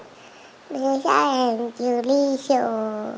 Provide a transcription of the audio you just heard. หนูชอบแอนเจอรี่สุด